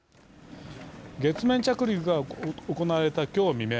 月面着陸が行われた今日未明